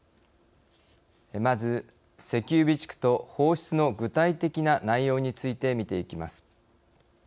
まず、石油備蓄と放出の具体的な内容について見ていきます。